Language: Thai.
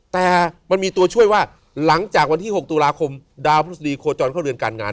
แต่มันมีตัวช่วยว่าหลังจากวันที่๖ตุลาคมดาวพฤษฎีโคจรเข้าเรือนการงาน